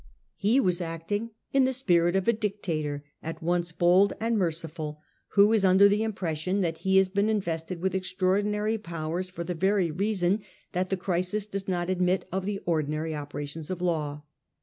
He was acting in the spirit of a dictator, at once bold and merciful, who is under the impres sion that he has been invested with extraordinary powers for the very reason that the crisis does not admit of the ordinary operations of law.